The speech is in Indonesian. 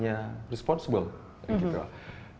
kita usahakan untuk selalu membuat produk yang istilahnya responsible